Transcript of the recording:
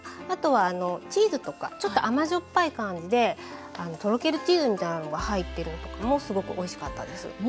あとはチーズとかちょっと甘じょっぱい感じでとろけるチーズみたいなのが入ってるのとかもすごくおいしかったです。